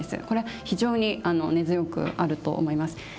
これは非常に根強くあると思います。